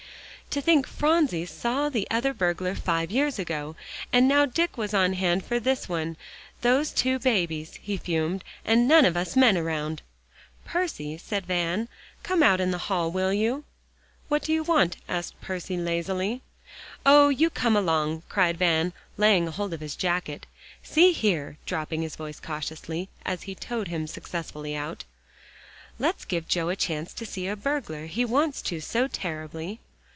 "To think Phronsie saw the other burglar five years ago, and now Dick was on hand for this one those two babies," he fumed, "and none of us men around." "Percy," said Van, "come out in the hall, will you?" "What do you want?" asked Percy lazily. "Oh! you come along," cried Van, laying hold of his jacket. "See here," dropping his voice cautiously, as he towed him successfully out, "let's give Joe a chance to see a burglar; he wants to so terribly."